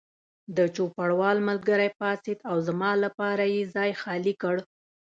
د چوپړوال ملګری پاڅېد او زما لپاره یې ځای خالي کړ.